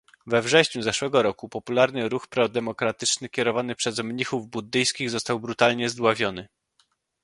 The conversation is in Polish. We wrześniu zeszłego roku popularny ruch prodemokratyczny kierowany przez mnichów buddyjskich został brutalnie zdławiony